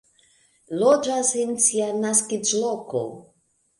Loĝas en sia naskiĝloko.